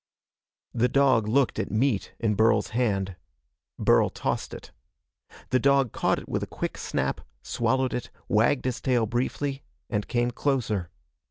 The dog looked at meat in Burl's hand. Burl tossed it. The dog caught it with a quick snap, swallowed it, wagged his tail briefly and came closer.